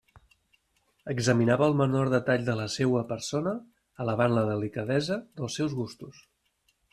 Examinava el menor detall de la seua persona, alabant la delicadesa dels seus gustos.